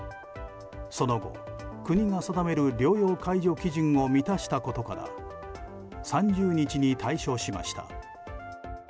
その後、国が定める療養解除基準を満たしたことから３０日に退所しました。